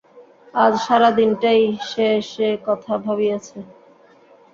আজ সারা দিনটাই সে সে-কথা ভাবিয়াছে।